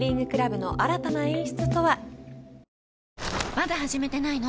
まだ始めてないの？